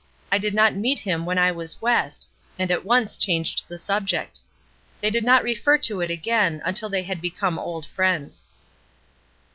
I did not meet him when I was West," and at once changed the subject. They did not refer to it again until they had become old friends.